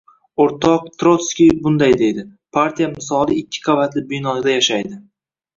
O’rtoq Trotskiy bunday deydi: partiya misoli ikki qavatli binoda yashaydi.